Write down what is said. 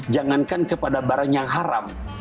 jangankan kepada barang yang haram